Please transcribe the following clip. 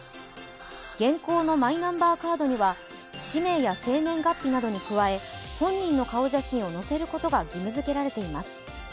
現行のマイナンバーカードには氏名や生年月日などに加え本人の顔写真を載せることが義務づけられています。